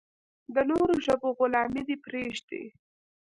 د نورو ژبو غلامي دې پرېږدي.